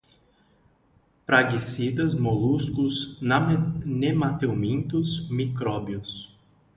praguicidas, moluscos, nematelmintos, micróbios